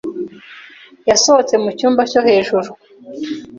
yasohotse mu cyumba cyo hejuru.